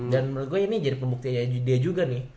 dan menurut gue ini jadi pembuktianya dia juga nih